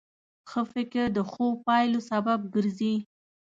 ښه فکر د ښو پایلو سبب ګرځي.